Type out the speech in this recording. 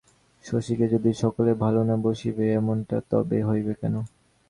শশীকে যদি সকলে ভালো না বাসিবে এমনটা তবে হইবে কেন?